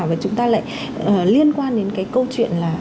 và chúng ta lại liên quan đến cái câu chuyện là